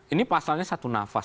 ini pasalnya satu nafas